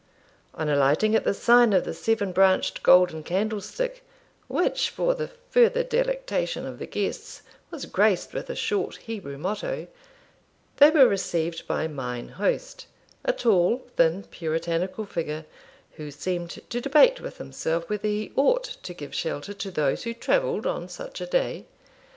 On alighting at the sign of the Seven branched Golden Candlestick, which, for the further delectation of the guests, was graced with a short Hebrew motto, they were received by mine host, a tall thin puritanical figure, who seemed to debate with himself whether he ought to give shelter to those who travelled on such a day.